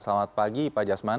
selamat pagi pak jasman